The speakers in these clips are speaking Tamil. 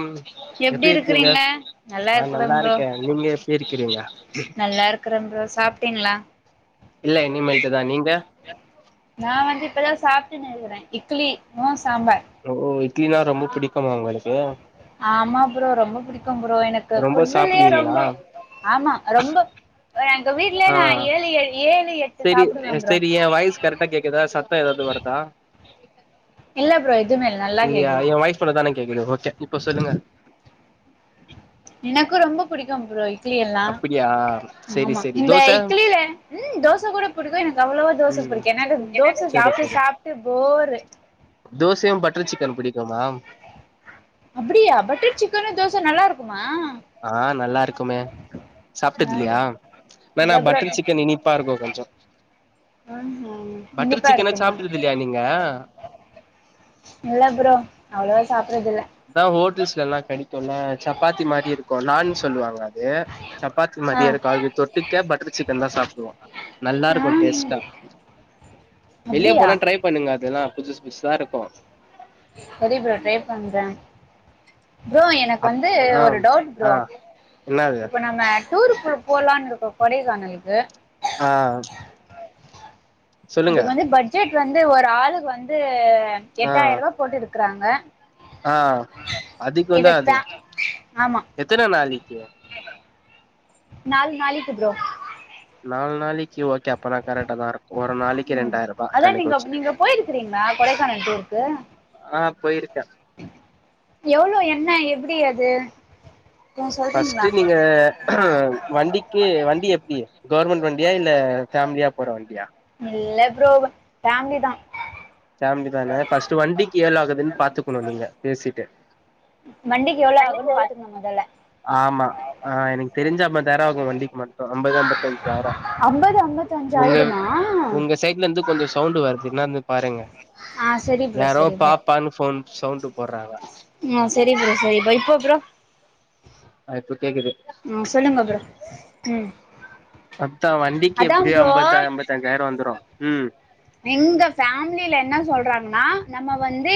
உ எப்டி இருக்கீங்க ஆ இருக்கிறேன் நல்லா ப்ரோ இருக்கேன் நீங்க எப்படி இருக்கிறீங்க இருக்குறேன் ப்ரோ சாப்பிட்டீங்களா இல்ல இனிமேல்ட்டு தா நீங்க ந வந்து இப்பத சாப் [unintelligible] இருக்குறே இக்லி நோஸ் ஓ ஒ இட்லினா ரொம்ப புடிக்குமா உங்களுக் கு ஆமா ப்ரோ ரொம்ப பிடிக் புடிக்கும் ப்ரோ எனக்கு ரொம்ப புட்டுலேயே சாப்டுவீங்களா ரொம்ப ஆமா ரொம்ப எங்க வீட்லயே ஆ நா ஏழு ஏழு ஏழு எட்டு செரி சாப்பிடுவே ப்ரோ செரி எ வாய்ஸ் கரெக்டா கேக்குதா சத்தோ ஏதாவது வருதா இல்ல ப்ரோ எதுமே இல்ல நல்லா இல்லையா கேக்குது எ வாய்ஸ் மட்டு தான கேக்குது ஓக்கே இப்ப சொல்லுங்க எனக்கு ரொம்ப பிடிக்கும் ப்ரோ ய் இட்லி எல்லா அப்டியா செரி ஆமா செரி இந்த தோச இக்லில உம் தோசை கூட புடிக்கு எனக்கு அவ்வளவா தோச ம் புடிக்கு எனக்கு தோசை செரி சாப்பிட்டு செரி சாப்பிட்டு போரு தோசையு பட்டர் சிக்கன் பிடிக்குமா அப்படியா பட்டர் சிக்கனு தோச நல்லா இருக்கு ஆ நல்லா இருக்குமே சாப்பிட்டது நா இல்லையா இல்ல வேன்னா ப்ரோ பட்டர் சிக்கன் இனிப்பா இருக்கு கொஞ்சு ஆ ஆ இனிப்பா இருக்குமா சாப்ட்டது இல்லையா நீங்க இல்ல ப்ரோ அவ்ளவா சாப்றது இல்ல இப்ப தா ஹோட்டல்ஸ்ல எல்லா கடிக்குல சப்பாத்தி மாரியே இருக்கு நான் சொல்லுவாங்க அது சப்பாத்தி ஆ மாரியே இருக்கு அதுக்கு தொட்டடுக்க பட்டர் சிக்கன் தா சாப்பிடுவோ நல்லா ஆ இருக்கு டேஸ்டா வெளியே அப்டியா போனா ட்ரை பண்ணுங்க அதெல்லா புதுசு புதுசு இருக்கு சரி ப்ரோ ட்ரை பண்றே [inaudible] ப்ரோ எனக்கு அப் வந்து ஆ ஒரு டவுட் ஆ ப்ரோ என்னாது இப்ப நம்ம டூர் போ போலான்னு இருக்கோ கொடைக்கானலுக்கு ஆ சொல்லுங்க அதுக்கு வந்து பட்ஜெட் அது வந்து ஒரு ஆளுக்கு வந்து ஆ எட்டாயிருவா போட்டு இரு இருக்குறாங்க ஆ அதிகம் தான் அது ஃபே ஆமா எத்தன நாளைக்கு நாலு நாளைக்கு ப்ரோ நாலு நாளைக்கி ஒ உம் அதான் கணக்கு நீங்க வச்சு நீங்க போயிருக்கிறீங்களா கொடைக்கானல் டூருக்கு போயிருக்க எவ்ளவு என்ன எப்டி அது கொஞ்சோ பஸ்ட் சொல்றீங்களா நீங்க வண்டிக்கு வண்டி எப்டி கவர்மெண்ட் வண்டி இல்ல பேமிலியாபோற இல்ல பிரரோ ஃபேமிலி தான் ஃபேலி தானே ஃபர்ஸ்டு வண்டிக்கு எவ்வளோ ஆகுதுன்னு பாத்துக்கணும் நீங்க பேசிட்டு வண்டிக்கு எவ்ளோ ஆகுன்னு பாத்துக்குனு முதல்ல ஆமா ஆ எனக்கு தெரிஞ்சு ஐம்பதாயரம் ஆகும் வண்டிக்கு மட்டும் ஐம்பது ஐம்பத்தஞ்சு ஆயிறம் அம்பது அம்பத்தஞ்சு உங்க ஆயிடுமா உங்க சைட்ல இருந்து கொஞ்சம் சவுண்டு வருது [unintelligible] பாருங்க ஆ சரி ப்ரோ யாரோ சரி பாப்பான்னு போன் சவுண்ட் போட்றாங்க உம் சரி ப்ரோ சரி இப்போ ப்ரோ ஆ இப்ப கேக்குது உம் சொல்லுங்க ப்ரோ உம் ஹ தா வண்டிக்கு எப்படியோ ஐம்பத்த ஐம்பத்தஞ்சாயிரம் வந்துரும் உம் எங்க ஃபமிலில என்ன சொல்றாங்கன்னா நம்ம வந்து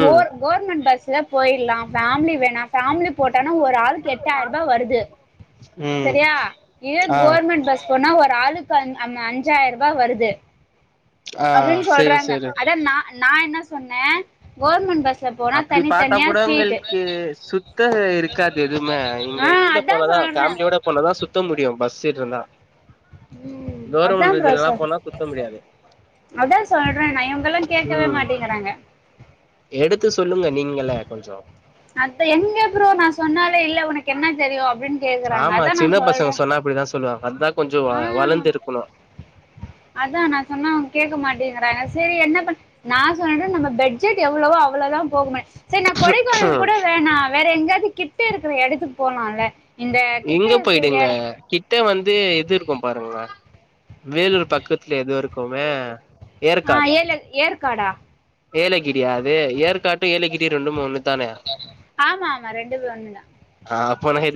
ம் கோர்மெண்ட் கோர்மெண்ட் பஸ் ல போயிட்லாம் பேமிலி வேணாம் ஃபேமிலி போட்டு ஆனா ஒரு ஆளுக்கு எட்டாயிரம் ரூபாய் வருது ம் சரியா இதே ஆ கர்மெண்டட் பஸ் போனா ஒரு ஆளுக்கு ஆளுக்கு மா அஞ்சாயிரம் ரூபாய் வருது ஆ அப்டின்னு சேரி சொல்றாங்க சேரி அத‌ நான் நான் என்ன சொன்னேன் கவர்மெண்ட் பஸ் அப்படி பார்த்தா கூட உங்களுக்கு சுத்த இருக்காது எதுவுமே நீங்க ஆ இதுல அதா போனதான் சொல்றே ஃபேமிலியோட போனதான் சுத்த முடியும் பஸ் இருந்தா ம் கவர்மெண்ட் அதான் ப்ரோ இதுலல்லா சொல்றா போனா சுத்த முடியாது அதான் சொல்றேன் நான் இவங்கல்லாம் கேக்கவே ம் மாட்டேங்கறாங்க எடுத்து சொல்லுங்க நீங்கலே கொஞ்சம் அத எங்க ப்ரோ நான் சொன்னா ஆமா அதா நா சின்ன சொல்றே பசங்க சொன்னா அப்படிதான் சொல்லுவாங்க அததுதான் கொஞ்சம் ஆ வளர்ந்து இருக்கணும் அதான் நான் சொன்னா அவங்க கேட்க மாட்டேங்கறாங்க சரி என்ன பண்ண நான் சொன்னட்டு நம்ம பெட்ஜெட் எவ்வளவோ அவ்வளோதான் போகமே சரி நான் கொடைக்கானல் கூட வேணாம் வேற எங்காது கிட்ட இருக்கிற எடத்துக்கு போலாம் இல்ல எங்க போயிடுங்க கிட்ட வந்து இது இருக்கும் பாருங்க வேலூர் பக்கத்துல எது இருக்குமே ஆ ஏற்காடு ஏல ஏற்காடா ஏலகிரியா அதுே ஏற்காடும் ஏலகிரி ரெண்டுமே ஒண்ணு தானே ஆமா ஆமா ரெண்டு ஒன்று தான் அப்ப எ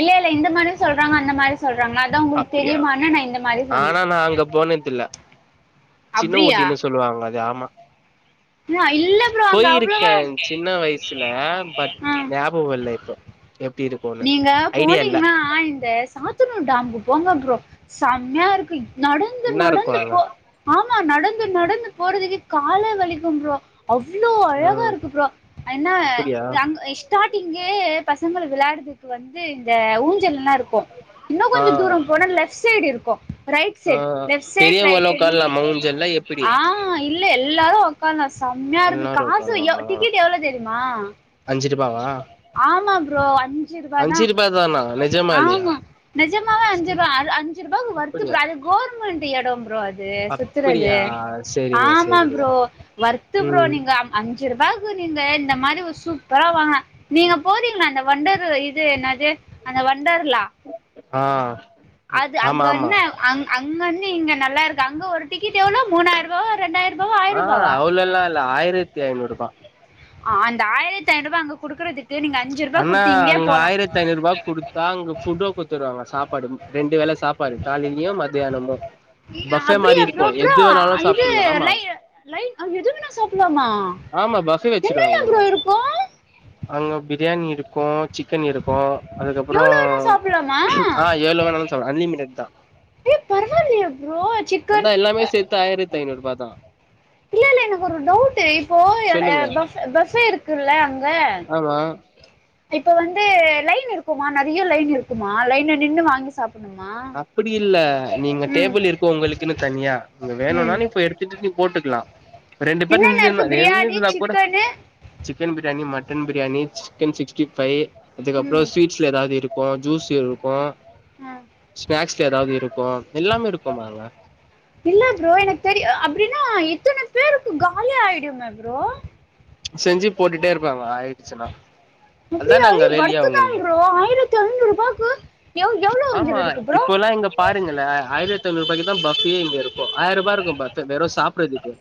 இல்ல இல்ல இந்த மாரியும் சொல்றாங்க அந்த மாரி சொல்றாங்கா அதா உங்களுக்கு அப்டியா தெரியுமான்னு நா இந்த மாரி சொன்னே ஆனா நா அங்க போனதில்ல சின்ன ஊடின்னு சொல்லுவாங்க யேமா ஆ, இல்ல ப்ரோ அங்க அவ்வளவா போயிருக்கே சின்ன வயசுல பட் ஆ ஞாபக இல்ல இப்போ எப்டி இருக்குன்னு நீங்க ஐடியா இல்ல போனீங்னா இந்த சாத்தனூர் டாம் குப் போங்க ப்ரோ செம்யா இருக்கு இ நடந்து என்ன இருக்கு நடந்து அங்க போ ஆமா நடந் து நடந்து போறதுக்கு காலே வலிக்கு ப்ரோ அவ்ளோ அழகா ம் இருக்கு ப்ரோ என்ன அப்டியா அங்க ஸ் ஸ்டார்டிங்கே பசங்கள வெளாடது க்கு வந்து இந்த ஊஞ்சல்லா இருக்கு போ இன்னு ஆ கொஞ்ச தூர போன லெப்ட் சைடு இருக்கு பொ ரைட் ஆ சைடு லேப் சைடு ரைட் பெரியவங்களு சைடு உக்காரலாமா ஊஞ்சல்ல எப்டி [unintelligible] எல்லாரு உக்காந்தா செம்யாருக்கு எல்லாரு காசு உக்காரலாமா எவ் டிக்கெட் எவ்ளோ தெரியுமா அஞ்சு ரூபாவா ஆமா ப்ரோ அஞ் அஞ்சு ரூப தா ரூபா தானா நெஜமா இல்லையா ஆமா நிஜமாவே அஞ்சு ரூப அது அஞ்சு ரூபாக்கு ஒர்த் அப்டியா ப்ரோ அது கோர் போவோன்டி எடம் ப்ரோ அது ஏ சுத்துறது அப்டியா சேரிங்க ஆமா சேரிங்க ப்ரோ ஒர்த் ப்ரோ ம் நீங்க அம் அஞ்சு ரூபாக்கு நீங்க இந்த மாரி [unintelligible] சூப்பரா வாங்க நீங்க போதீங்ளா அந்த வண்ட ரோ இது என்னது அந்த ஒர்க் ஆ [unintelligible] அது ஆமா அங்க ன்ன ஆமா அங் அத் [unintelligible] அங்க வந்து இங்க நல்லாருக்கு அங்க ஒரு டிக்கெட் எவ்ளோ மூணாயிருபாவ ஆஹ் அவ்ளோலா இல்ல ஆயிரத்தி ஐந்நூறு ரூபா ஆஹ் அந்த ஆயிரத்தைனூ ருபா அங்க குடுக்குறதுக் அண்ணா அங்க ஆயிரத்தி ஐநூறு ரூபா குடுத்தா அங்க புட்டு குடுத்துராங்க சாப்பாடு ரெண்டு வேல சாப்பாடு காலிலயு மத்தியானமு பஃபே அப்படியா மாரி இருக்கு ப்ரோ ப்ரோ எது வேணாலு இது சாப்ட்லா ஆமா லை லைன் எது வேணா சாப்டலாமா ஆமா பஃபே வெச் என்னென்ன ப்ரோ [unintelligible] இருக்கும் அங்க பிரியாணி இருக்கு சிக்கன் இருக்கு அதுக்கப்புறோ எவ்ளவு வேணாசாப்பலாமா ஆ எவ்ளோ வேணாலு சாப்டலா அன்லிமிடெட் தா பரவாயில் அ சிக்கன் அதா எல்லாமே சேத்து ஆயிரத்தி ஐநூறு ரூபா தா இல்ல இல்ல இல்ல இ எனக்கு ஒரு டவுட் இப்போ [unintelligible] இரு [unintelligible] அதா இப்ப வந்து லைன் இருக்குமா நிறைய லைன் இருக்குமா லைன்ல நின்னு வாங்கி சாப் அப்படி இல்ல நீங்க ம் டேபிள் இருக்கு உங்களுக்குன்னு தனியா உங்க வேணும்னா ம் இப்ப எடுத்துட்டு நீ போட்டு இருக்கலா என்னென்ன இருக்கு biryani chicken chicken biryani mutton biryani chicken sixty five அதுக்கப்புறோ ஸ்வீட்ஸ்ல எதாது இருக்கு ஜூஸ் இருக் கும் ஸ்நாக்ஸ்ல எதாது இருக்கு எல்லாமே இருக்கு அங்க பின்னா இத்தன பேருக்கு காலி ஆயிடுமே ப்ரோ செஞ்சு போட்டுட்டே இருப்பாங்க ஆயிடுச்சுன்னா அதா அப்படியாயி நாங்க வேலையா வருத்துதா உங்கள்து ப்ரோ ஆயிரத்தி ஐநூறு ரூபாய்க்கு எ எவ்ளோ [unintelligible] ஆமா இருக்கு ப்ரோ இப்போல்லா இங்க பாருங்களே [unintelligible] இங்க இருக்கு ஆயிர ரூபாய இருக்கு [unintelligible] வெறு சாப்பறதுக்கு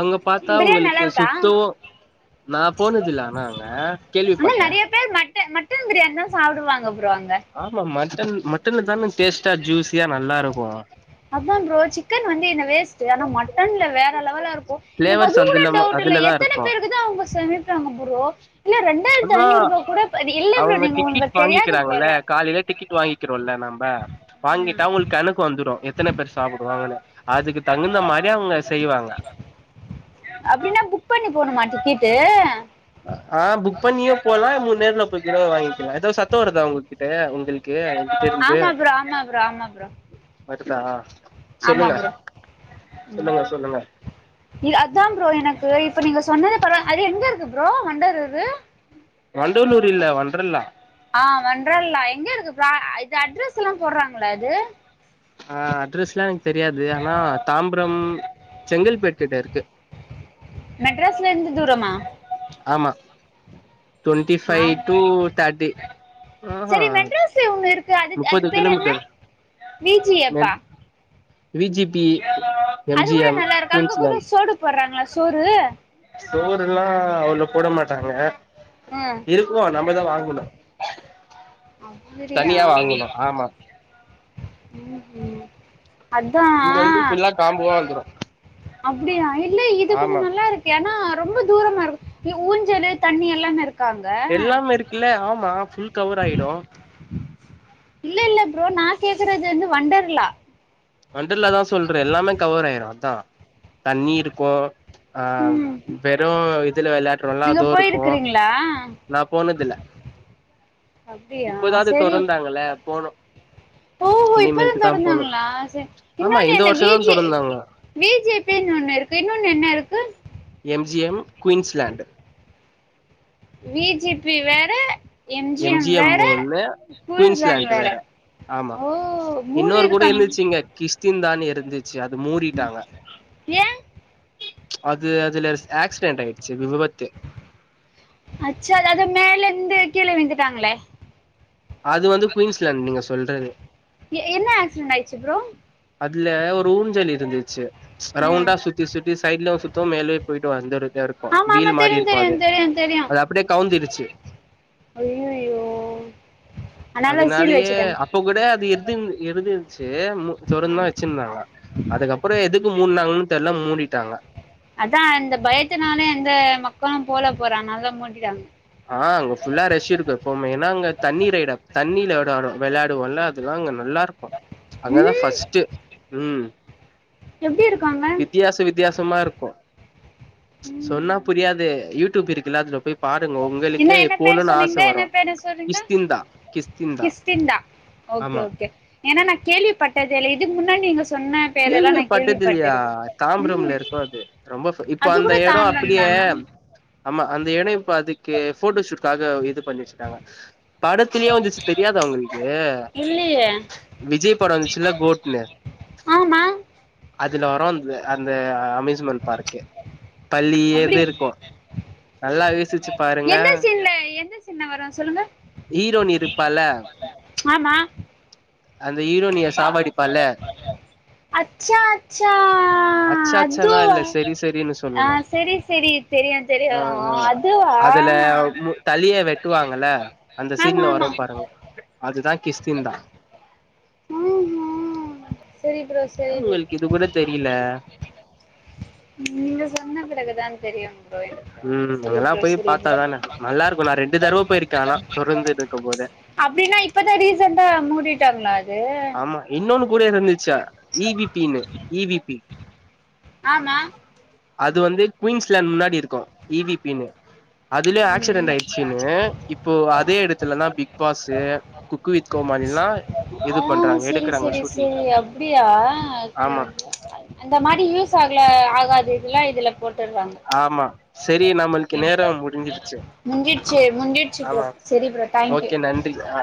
அங்க பாத்தா பிரியாணி உங்களுக்கு நல்லா இருக்கா சுத்தோ நா போனது இல்ல ஆனா அங்க ஆனா கேள்விப்பட்ட நிறைய பேர் மட்டன் மட்டன் பிரியாணி தா சாப்புடுவாங்க ப்ரோ அங்க ஆமா மட்டன் மட்டன்னு தான டேஸ்ட்டா ஜூஸியா நல்லா இருக்கூ அதா ப்ரோ சிக்கன் வந்து என்ன வேஸ்ட்ட் ஆனா மட்டன்ல வேற லெவலா இருக்கு எனக்கு அது ஃபிளேவர்ஸ் கூட இல்லாம டவுட் இல்ல அதுலதா எத்தன இருக்கு பேருக்கு தா அவங்க சமைப்பாங்க சரி ஓகே இல்ல ரெண்டாயிரத்தி அதா ஐநூறு ரூபா கூட இல்ல ப்ரோ அவங்க நீங்க டிக்கெட் உங்களுக்கு தெரியாது வாங்கிக்கிறாங்கல்ல போல ப வாங்கிட்டா ம். உங்களுக் கணக்கு வந்துரு எத்தன பேர் சாப்புடுவாங்கனு அப்டினா புக் பண்ணி போணுமா டிக்கெட்டு ஆஹ் புக் பண்ணியே போய் ர்லா நீங் நேர்ல போய்கூட வாங்கிகலா எதோ சத்த வருதா உங்ககிட்ட உங்கள் ஆமா ப்ரோ ஆமா ப்ரோ ஆமா ப்ரோ வருதா ஆமா சொல்லுங்க ப்ரோ சொல்லுங்க சொல்லுங்க இ அது தா ப்ரோ எனக்கு இப்ப நீங்க சொன்னதுக் கப்பற அது எங்க இருக்கு ப்ரோ வொண்டர் இது வண்டலூர் இல்ல வன்ட்ருலா ஆஹ் வன்ட்றலா எங்க இருக்கு ப்ரோ இது அட்ரஸுலா போட்றாங்ளா இது ஆஹ் அட்ரஸ்லா எனக்கு தெரியாது ஆனா தாம்பரம் செங்கல்பேட்டுட்ட இருக்கு மெட்ராஸ்ல இருந்து தூரமா ஆமா ட்வெண்டி ஃபை நான் டூ தேர்ட்டி ஆஹா சரி மெட்ராஸ்ல ஒண்ணு இருக்கு அது அது முப்பது பேர் என்ன கிலோமீட்டர் விஜிஎப்பா மென் வீ ஜி பி எம் அது ஜி கூட எம் நல்லா இருக்கு அங்க கூட குயின்ஸ்லேண்ட் சோடு போடுறாங்களா சோறு சோறுலா அவ்ளோ போட மாட்டாங்க இருக்கு நம் மதா வாங்கனு அப்படியா தனியா வாங்கணு ஆமா உம் உம் அதா இங்க வந்து ஃபுல்லா காம்போவா வந்துரு அப்டியா அஹ் இல்ல இது கொஞ்ச ஆமா நல்லா இருக்கே ஆனா ரொம்ப தூரமா இருக்கு இ ஊஞ்சலு தண்ணி எல்லாமே இருக் எல்லாம் இருக்குல ஆமா ஃபுல் கவர் ஆய்டு இல்ல இல்ல ப்ரோ நா கேக்குறது வந்து வண்டர்லா வண்டர்லாதா சொல்றே எல்லாமே கவர் ஆய்ரு அதா தண்ணி இருக்கு ஆஹ் வெறு இத் துல வெளாட்றோல நீங்க அதுவு இருக்கு போயிருக்கிறீங்களா நா போனதில்ல அப்படியா இப்போதாது சரி தொறந்தாங்கல போனு இனிமேல்ட்டு தா போனு ஆஹ் சேர் ஆமா இன்னொன்னு இந்த என்ன வருஷந்தா விஜெ தொறந்தாங்க வி ஜே பி ன் ஒன்னு இருக்கு இன்னொன்னு என்ன இருக்கு M G M Queensland V G P வேற எம் எம்ஜிஎம் ஜி எம் வேற ஒன்னு குயின்ஸ்லாண்ட் வேற ஆமா ஓ மூணு இன்னொரு கூட இருந்துச்சு இருக்காங்க இங்க கிறிஸ்டின் தான் இருந்து சி அது மூடிட்டாங்க ஏன் அது அதுல ஆக்சிடென்ட ஆயிடுச்சு விபபத்து அச்சா அது மேலேல்ந்து கீழ விழுந்துட்டாங்களே அது வந்து குயின்ஸ்லேண்ட் நீங்க சொல்றது எ- என்ன ஆக்சிடென்ட் ஆயிடுச்சு ப்ரோ அதுல ஒ ஊஞ்சல் இருந்துச்சு ம் ரவுண்டா சுத்தி சுத்தி சைட்லவு சுத் து மேலேயே போயிட்டு வந்து ஆமா ஆமா தெரியு தெரியு தெரியு தெரியு அது அப்படியே கவுந்துருச்சு ஐயையோ அதுனாலயே அப்பக் கூட அது எத்துன் எடுத் [unintelligible] ட்டு மு தொறந்து தா வச்சிர்ந்தாங்க அதுக்கப்பறொ எதுக்கு மூட்னாங்கனு தெர்ல மு மூடிட்டாங்க அதா இந்த பயத்துனால எந்த மக் களு போலப் போறாங்க அனால மூடிட்டாங்க ஆஅங்க ஃபுல்லா ரக்ஷ்ஷு இருக்கு எப்பவ்மே ஏன்னா அங்க தண்ணீ ரைடு தண்ணியில வெடாடு வெளாடுவோல்ல அதெல்லா அங்க நல்லா இருக்கு அங்கதா ம் ஃஸ்ட்டு ம் எப்படி இருக்காங்க வித்யாச வித்யாசமா இருக்கு சொன்னாப் புரியாது யூ டூப் இருக்குல்ல அதுல போய் பாருங்க என்ன உங்களுக்கே என்ன பேர் போணுன்னு ஆச சொன்னீங்ணா வரு என்ன பேர் சொல்றீங்க கிஷ்கிந்தா ஓகே ஆமா ஓகே ஏன்னா நா கேள்விப்பட்ட தேவல்ல இ துக் முன்னாடி நீங்கஸ் கேள்விப்பட்டது இல்லயா தாம்ப்ரம்ல ம் இருக்கு அது ரொம்ப ஃப் இப்ப அது அந்த கூட எடோ தாம்பரம் அப்டியே தானா ஆமா அந்த எடொ இப்ப அதுக் கே ஃபோட்டோ சூ காக இது பண்ணி வச்சிட்டாங்க படத்துலயே வந்துச்சு தெரியாதா உங்களுக்கு இல்லையே விஜய் படொ வந்துச்சுல்ல கோட்னு ஆமா அதுல வரு அந்த அந்த அம்மேஸ்மெண்ட் பார்க்கு பழியது அப்படி இருக்கு நல்லா யோசிச்சு பாருங்க எந்த சீன்ல எந்த சீன்ல வரும் சொல்லுங்க ஹீரோனி இருப்பால்ல ஆமா அந்த ஹீரோனி அச்சா அச்சா ஆ அச்சாச்சல்லா அதுவா இல்ல சரி ஆ சரி சரி தெரியும் தெ ஆஹ் ஆஹ் அதுல தளிய வெட்டுவாங்கல்ல அந்த ஆமா சீன்ல ஆமா வரும் பாருங்க அதுதான் கிஷ்கிந்தா அஹ் ஹா உங்களுக்கு இது கூட தெரில நீங்க சொன்ன பிறகுதான் தெரியும் ப்ரோ எனக்கு ம் சரி அங்கெல்லா ப்ரோ போய் சரி ப்ரோ பாத்தாதான நல்லா இருக்கு நா ரெண்டு தடவ போயிருக்கே ஆனா தொடர்ந்து இருக்கு போதே அப்டின்னா இப்ப தான் ரீசண்டா மூடிட்டாங்களா அது ஆமா இன்னொன்னு கூட இருந்துச்சு இ வி பினு இ வி பி ஆமா அது வந்து குயின்ஸ் லேண்ட் முன்னாடி இருக்கும் இ வி பின்னு அதுலயும் ஆக்சிடென்ட் ம் ஆயிடுச்சுன்னு இப்போ அதே இடத்துலதான் பிக் பாஸு குக்கு வித் கோமாளில்லா இது ஆஹ பண்றாங்க சரி எடுக்குறாங்க சரி ஷூட்டிங் சரி அப்டியா ஆமா அந்த மாரி யூஸ் ஆகல ஆகாது எல்லா இதுல போட்டுறாங்க ஆமா சரி நம்மளுக்கு நேரம் முடிஞ்சிடுச்சு முஞ்சிச்சு முஞ்சிச்சு ப்ரோ ஆமா சரி ப்ரோ தேங்க்யூ ஓகே நன்றி ஆ